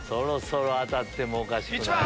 当たってもおかしくない。